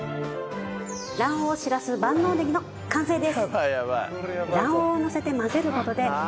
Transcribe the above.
卵黄しらす万能ネギの完成です。